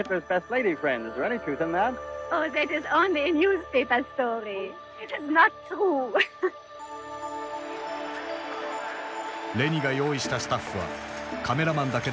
レニが用意したスタッフはカメラマンだけでも６０人。